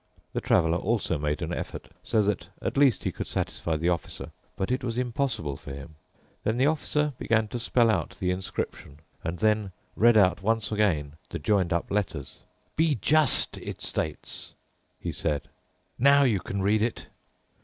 The Traveler also made an effort so that at least he could satisfy the Officer, but it was impossible for him. Then the Officer began to spell out the inscription and then read out once again the joined up letters. "'Be just!' it states," he said. "Now you can read it."